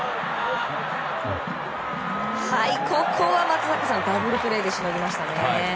ここは松坂さん、ダブルプレーでしのぎましたね。